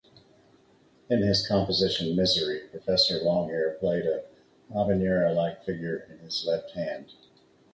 In his composition "Misery," Professor Longhair played a habanera-like figure in his left hand.